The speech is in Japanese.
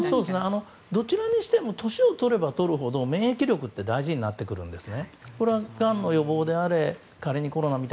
どちらにしても年をとればとるほど免疫力は大事になるんですね。